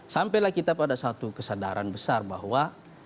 sampailah kita pada satu kesadaran besar bahwa